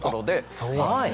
あそうなんですね。